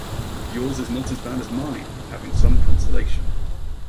Yours is not as bad as mine, having some consolation.